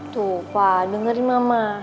tuh pa dengerin mama